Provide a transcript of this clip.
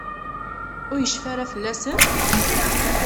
Ur yecfi ara fell-asen?